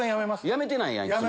やめてないやんいつも。